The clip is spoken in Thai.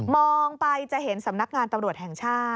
องไปจะเห็นสำนักงานตำรวจแห่งชาติ